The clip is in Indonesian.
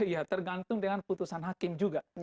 ya tergantung dengan putusan hakim juga